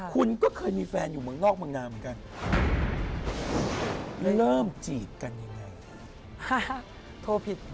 โทรผิดครับ